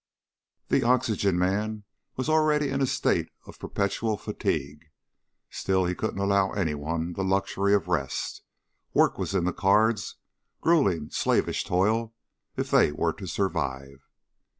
The oxygen man was already in a state of perpetual fatigue. Still, he couldn't allow anyone the luxury of rest. Work was in the cards grueling, slavish toil if they were to survive.